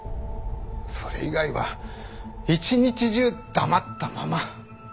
それ以外は一日中黙ったまま。